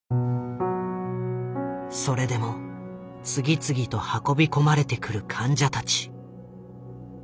それでも次々と運び込まれてくる患者たち。